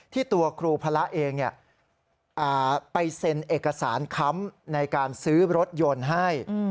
ตัวครูพระเองไปเซ็นเอกสารค้ำในการซื้อรถยนต์ให้